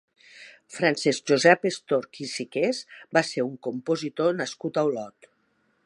Francesc Josep Estorch i Siqués va ser un compositor nascut a Olot.